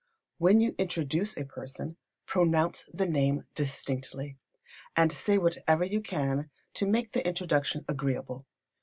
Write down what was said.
When you introduce a person, pronounce the name distinctly, and say whatever you can to make the introduction agreeable.